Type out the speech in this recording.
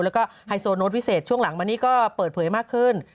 แล้วก็ไฮโซโน้ตพิเศษช่วงหลังมานี้ก็เปิดเผยมากขึ้น